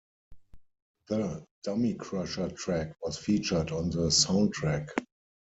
The "Dummy Crusher" track was featured on the soundtrack.